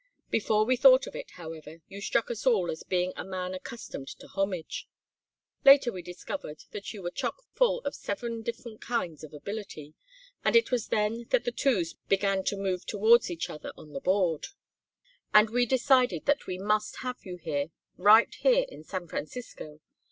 Before we thought of it, however, you struck us all as being a man accustomed to homage. Later we discovered that you were choke full of seven different kinds of ability, and it was then that the twos began to move towards each other on the board; and we decided that we must have you here, right here in San Francisco.